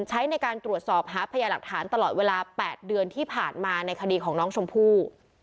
ใช้ในการตรวจสอบหาพยาหลักฐานตลอดเวลา๘เดือนที่ผ่านมาในคดีของน้องชมพู่